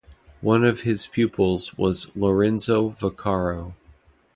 One of his pupils was Lorenzo Vaccaro.